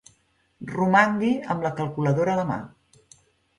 Romangui amb la calculadora a la mà.